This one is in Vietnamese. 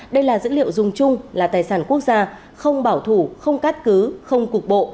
đây là dữ liệu dùng chung là tài sản quốc gia không bảo thủ không cắt cứ không cục bộ